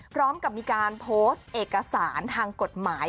พร้อมกับมีการโพสต์เอกสารทางกฎหมาย